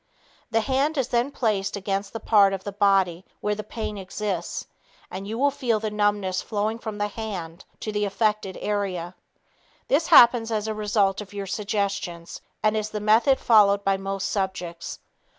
The hand is then placed against the part of the body where pain exists, and you will feel the numbness flowing from the hand to the affected area. This happens as a result of your suggestions and is the method followed by most subjects.